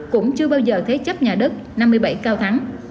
cũng chưa bao giờ thế chấp nhà đất năm mươi bảy cao thắng